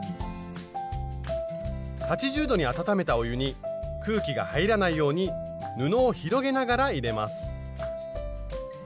８０度に温めたお湯に空気が入らないように布を広げながら入れます。